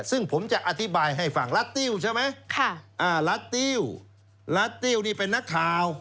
ซึ่งผมจะอธิบายให้ฝั่งละติ้วใช่ไหมค่ะอ่าละติ้วละติ้วนี่เป็นนักข่าว